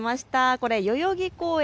これ、代々木公園